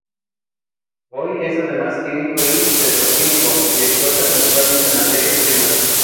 Hoy es además químico y petroquímico, y exporta principalmente materias primas.